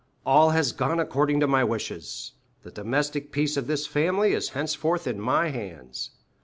"All has gone according to my wishes. The domestic peace of this family is henceforth in my hands.